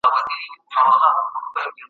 ښوونځی ماشومانو ته د وخت ارزښت ښيي.